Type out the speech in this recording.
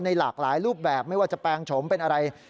หลากหลายรูปแบบไม่ว่าจะแปลงโฉมเป็นอะไร